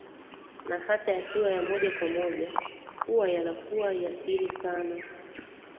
Na hata yakiwa ya moja kwa moja hua yanakuwa ya siri sana